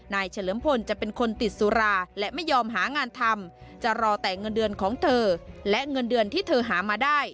เฉลิมพลจะเป็นคนติดสุราและไม่ยอมหางานทำจะรอแต่เงินเดือนของเธอและเงินเดือนที่เธอหามาได้